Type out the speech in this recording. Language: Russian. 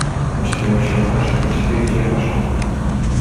У четырех черепашек по четыре черепашонка.